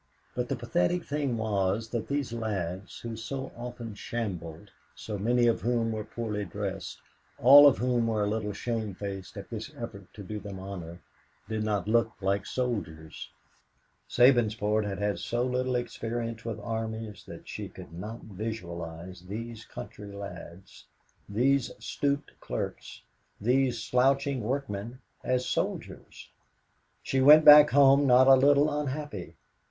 But the pathetic thing was that these lads, who so often shambled, so many of whom were poorly dressed, all of whom were a little shamefaced at this effort to do them honor, did not look like soldiers. Sabinsport had had so little experience with armies that she could not visualize these country lads, these stooped clerks, these slouching workmen, as soldiers. She went back home not a little unhappy.